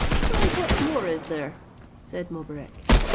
"And what more is there?" said Mobarec.